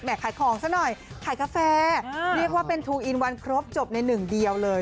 ขายของซะหน่อยขายกาแฟเรียกว่าเป็นทูอินวันครบจบในหนึ่งเดียวเลย